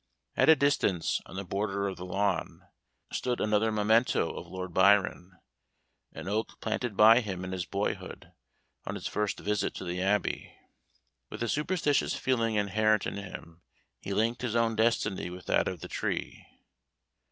At a distance, on the border of the lawn, stood another memento of Lord Byron; an oak planted by him in his boyhood, on his first visit to the Abbey. With a superstitious feeling inherent in him, he linked his own destiny with that of the tree.